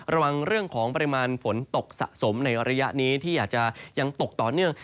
ระวังเรื่องของปริมาณฝนตกสะสมในระยะนี้ที่อาจจะยังตกต่อเนื่อง